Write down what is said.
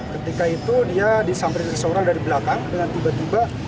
ketika itu dia disampaikan seseorang dari belakang dengan tiba tiba